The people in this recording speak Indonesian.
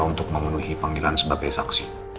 untuk memenuhi panggilan sebagai saksi